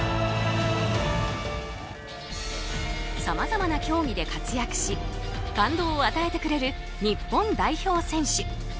さまざまな競技で活躍し感動を与えてくれる日本代表選手。